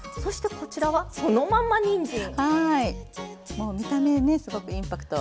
もう見た目ねすごくインパクト。